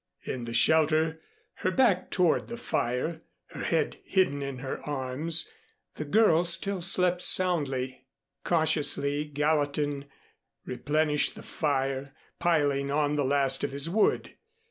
In the shelter, her back toward the fire, her head hidden in her arms, the girl still slept soundly. Cautiously Gallatin replenished the fire, piling on the last of his wood.